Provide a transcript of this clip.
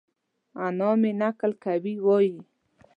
انا مې؛ نکل کوي وايي؛